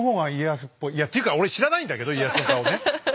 いやというか俺知らないんだけど家康の顔ね。